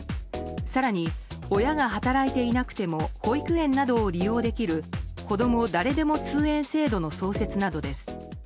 更に、親が働いていなくても保育園などを利用できるこども誰でも通園制度の創設などです。